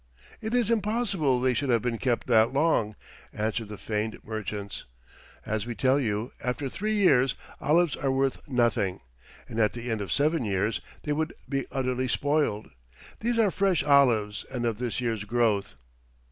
"It is impossible they should have been kept that long," answered the feigned merchants. "As we tell you, after three years olives are worth nothing, and at the end of seven years they would be utterly spoiled. These are fresh olives and of this year's growth."